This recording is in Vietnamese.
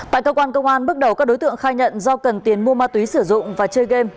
tại cơ quan công an bước đầu các đối tượng khai nhận do cần tiền mua ma túy sử dụng và chơi game